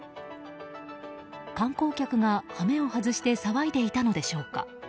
観光客が羽目を外して騒いでいたのでしょうか。